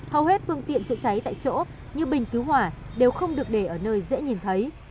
hầu hết phương tiện chữa cháy tại chỗ như bình cứu hỏa đều không được để ở nơi dễ nhìn thấy